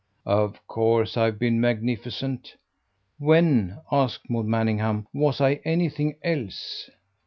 "Of course I've been magnificent. When," asked Maud Manningham, "was I anything else?